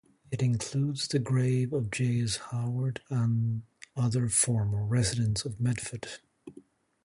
It includes the grave of J. S. Howard and other former residents of Medford.